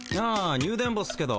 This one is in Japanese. ニュ電ボっすけど。